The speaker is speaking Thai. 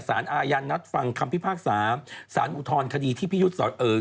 สารอาญานนัดฟังคำพิพากษาสารอุทธรณคดีที่พี่ยุทธ์สอนเอ่อ